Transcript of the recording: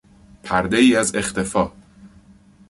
پردهای از اختفا